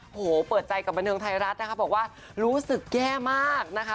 โอ้โหเปิดใจกับบันเทิงไทยรัฐนะคะบอกว่ารู้สึกแย่มากนะคะ